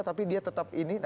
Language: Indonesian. tapi dia tetap ini